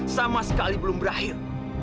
sama sekali belum berakhir